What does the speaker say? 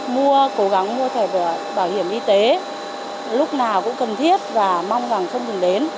mua cố gắng mua thẻ bảo hiểm y tế lúc nào cũng cần thiết và mong rằng không ngừng đến